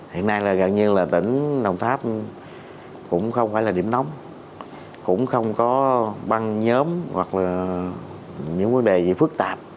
hiện nay là gần như là tỉnh đồng tháp cũng không phải là điểm nóng cũng không có băng nhóm hoặc là những vấn đề gì phức tạp